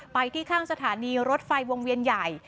ไปที่ข้างสถานีรถไฟวงเวียนใหญ่